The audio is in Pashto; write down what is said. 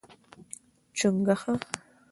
🐸 چنګوښه